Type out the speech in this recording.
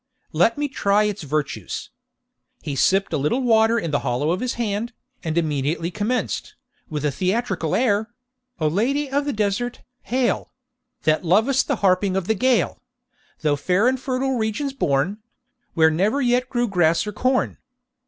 Let me try its virtues.' He sipped a little water in the hollow of his hand, and immediately commenced, with a theatrical air, 'O Lady of the desert, hail! That lovest the harping of the Gael, Through fair and fertile regions borne, Where never yet grew grass or corn.